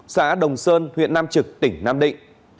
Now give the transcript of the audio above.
xã đồng sơn huyện nam trực tỉnh nam định